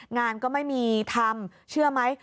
งานก็ไม่มีทำเชื่อไหม